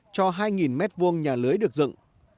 cho hai m hai nhà lưới được dựng